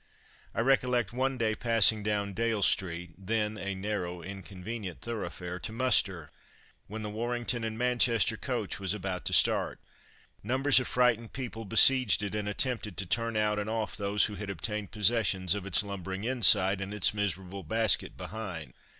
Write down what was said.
I recollect one day passing down Dale street (then a narrow, inconvenient thoroughfare) to muster, when the Warrington and Manchester coach was about to start: numbers of frightened people besieged it and attempted to turn out and off those who had obtained possession of its lumbering inside and its miserable basket behind.